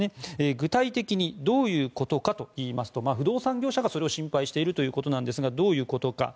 具体的にどういうことかといいますと不動産業者がそれを心配しているということですがどういうことか。